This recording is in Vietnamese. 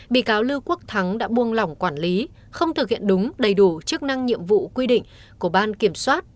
bị cáo lưu quốc thắng đã buông lỏng quản lý không thực hiện đúng đầy đủ chức năng nhiệm vụ quy định của ban kiểm soát